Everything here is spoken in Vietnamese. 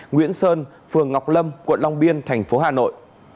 nguyễn sơn phường ngọc lâm quận long biên thành phố hà nội